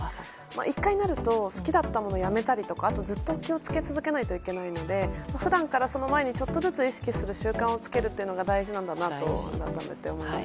１回なると好きだったものをやめたりとかずっと気を付け続けないといけないので普段からその前にちょっとずつ意識する習慣が大事なんだと改めて思います。